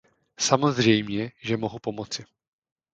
Samozřejmě, že mohou pomoci.